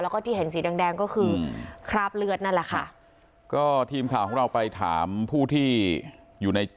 แล้วก็ที่เห็นสีแดงแดงก็คือคราบเลือดนั่นแหละค่ะก็ทีมข่าวของเราไปถามผู้ที่อยู่ใน